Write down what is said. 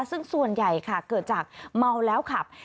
ซึ่งส่วนใหญ่ค่ะเกิดจากเมาแล้วขับ